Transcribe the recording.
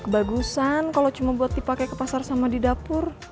bagusan kalau cuma buat dipakai ke pasar sama di dapur